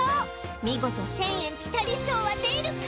見事１０００円ピタリ賞は出るか？